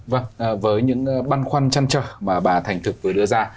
vâng với những băn khoăn chăn trở mà bà thành thực vừa đưa ra